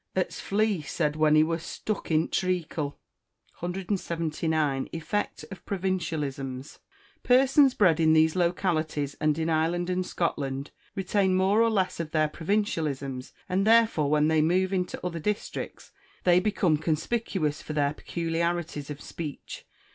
as t' fiee said when he wur stuck i' treacle! 179. Effect of Provincialisms Persons bred in these localities, and in Ireland and Scotland, retain more or less of their provincialisms; and, therefore, when they move into other districts, they become conspicuous for their peculiarities of speech.